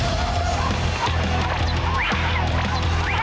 ใจเย็นสักนึง